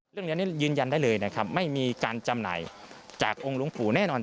เรื่องนี้ยืนยันได้เลยนะครับไม่มีการจำหน่ายจากองค์หลวงปู่แน่นอน